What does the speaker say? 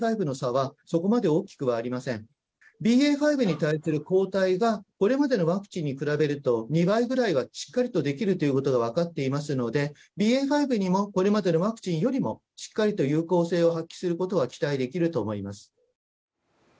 ＢＡ．５に対する抗体がこれまでのワクチンに比べると２倍ぐらいはしっかりできるということが分かっていますのでＢＡ．５にもこれまでのワクチンよりもしっかりと有効性を発揮することが期待できると思います。